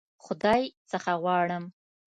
خدای څخه غواړم.